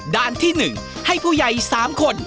ด้านที่๑ให้ผู้ใหญ่๓คน